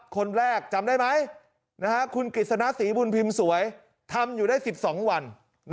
คนแรกจำได้ไหมคุณกฤษณะศรีบุญพิมพ์สวยทำอยู่ได้๑๒วัน